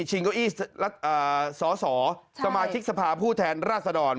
ชิงเก้าอี้สอสอสมาชิกสภาพผู้แทนราษฎร